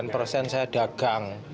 sembilan puluh sembilan persen saya dagang